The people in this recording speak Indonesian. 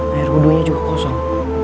air udunya juga kosong